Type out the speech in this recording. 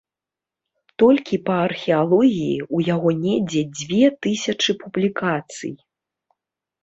Толькі па археалогіі у яго недзе дзве тысячы публікацый.